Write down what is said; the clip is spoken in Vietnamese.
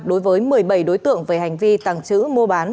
đối với một mươi bảy đối tượng về hành vi tàng trữ mua bán